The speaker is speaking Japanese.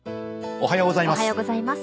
おはようございます。